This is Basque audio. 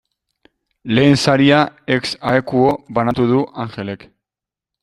Lehen saria ex aequo banatu du Angelek.